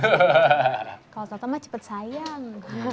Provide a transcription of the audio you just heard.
kalau total mah cepet sayang